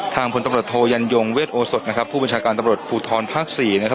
พลตำรวจโทยันยงเวทโอสดนะครับผู้บัญชาการตำรวจภูทรภาคสี่นะครับ